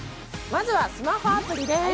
まずは、スマホアプリです。